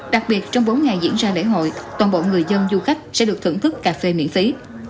đặc biệt trong bốn ngày diễn ra lễ hội toàn bộ người dân du khách sẽ được thưởng thức cà phê miễn phí